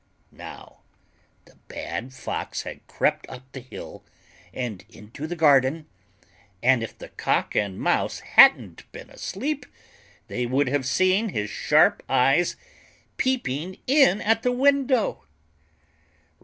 Now the bad Fox had crept up the hill, and into the garden, and if the Cock and Mouse hadn't been asleep, they would have seen his sharp eyes peeping in at the window.